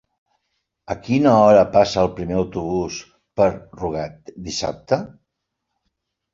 A quina hora passa el primer autobús per Rugat dissabte?